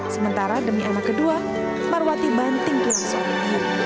sementara demi anak kedua marwati banting ke suami